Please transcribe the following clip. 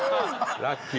ラッキー！